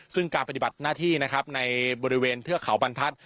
ซึ่งการปฏิบัติหน้าที่นะครับในบริเวณเทือกเขาบรรทัศน